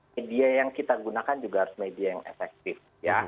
media yang kita gunakan juga harus media yang efektif